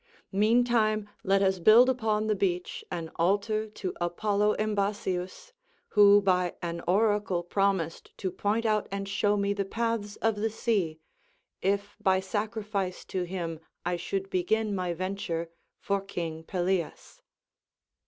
Meantime let us build upon the beach an altar to Apollo Embasius who by an oracle promised to point out and show me the paths of the sea, if by sacrifice to him I should begin my venture for King Pelias."